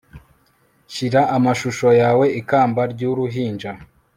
shira amashusho yawe ikamba ry'uruhinja